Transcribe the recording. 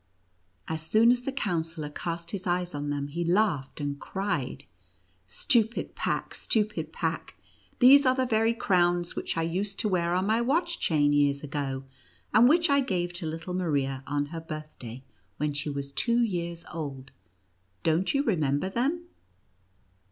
As soon as the Counsellor cast his eyes on them, he laughed and cried :" Stupid pack — stupid pack ! These are the very crowns which I used to wear on my watch chain, years ago, and which I gave to little Maria, on her "birthday, when she was two years old. Don't you remember them